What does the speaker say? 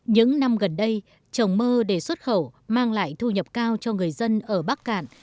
những năm gần đây trồng mơ để xuất khẩu mang lại thu nhập cao cho người dân ở bắc cạn